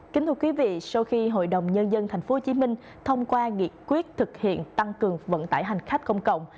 kính thưa quý vị sau khi hội đồng nhân dân thành phố hồ chí minh thông qua nghị quyết thực hiện tăng cường vận tải hành khách công cộng